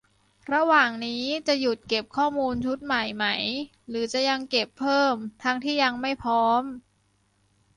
- ระหว่างนี้ จะหยุดเก็บข้อมูลชุดใหม่ไหม หรือจะยังเก็บเพิ่มทั้งที่ยังไม่พร้อม